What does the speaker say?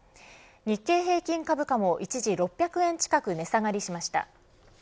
日経平均株価も一時６００円近く値下がりしました。